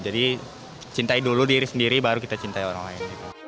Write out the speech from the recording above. jadi cintai dulu diri sendiri baru kita cintai orang lain